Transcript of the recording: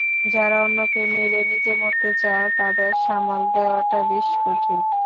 যারা অন্যকে মেরে নিজে মরতে চায়, তাদের সামাল দেওয়াটা বেশ কঠিন।